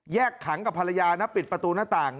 ขังกับภรรยานะปิดประตูหน้าต่าง